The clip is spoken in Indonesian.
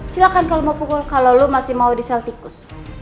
silahkan kalau mau pukul kalau lo masih mau di sel tikus